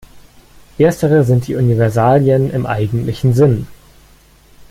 Erstere sind die Universalien im eigentlichen Sinn.